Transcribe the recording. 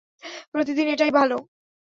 প্রতিদিন এটাই বলো।